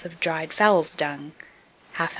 of dried fowls' dung, 1/2 oz.